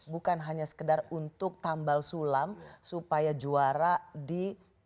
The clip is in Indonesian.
bukan hanya sekedar untuk tambal sulam supaya juara di